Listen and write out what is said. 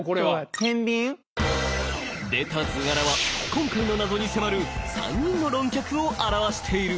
てんびん？出た図柄は今回の謎に迫る３人の論客を表している。